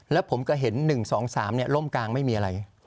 แล้วผมก็เห็นหนึ่งสองสามเนี่ยล่มกลางไม่มีอะไร